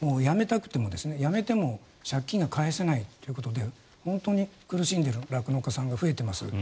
やめても借金が返せないということで本当に苦しんでる酪農家さんが増えています。